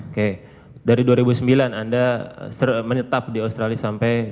oke dari dua ribu sembilan anda menetap di australia sampai dua ribu lima belas